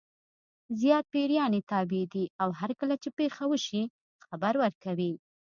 زیات پیریان یې تابع دي او هرکله چې پېښه وشي خبر ورکوي.